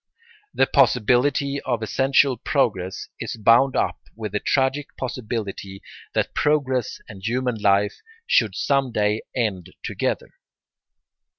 The possibility of essential progress is bound up with the tragic possibility that progress and human life should some day end together.